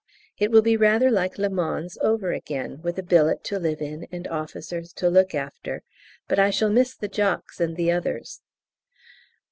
It will be rather like Le Mans over again, with a billet to live in, and officers to look after, but I shall miss the Jocks and the others.